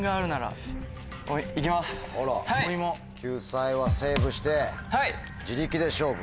救済はセーブして自力で勝負。